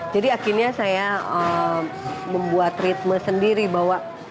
jadi akhirnya saya membuat ritme sendiri bahwa